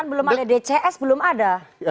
kan belum ada dcs belum ada daftar caleg sejarah